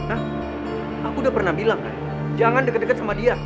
ah aku udah pernah bilang jangan deket deket sama dia